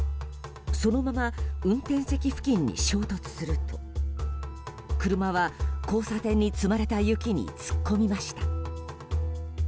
そのまま運転席付近に衝突すると車は交差点に積まれた雪に突っ込みました。